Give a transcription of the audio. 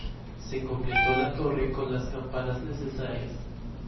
Se completó la torre con las campanas necesarias.